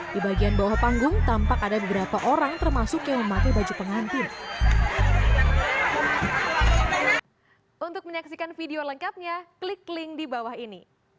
di bagian bawah panggung tampak ada beberapa orang termasuk yang memakai baju pengantin